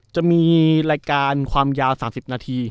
จะมีรายการความยาว๓๐นาที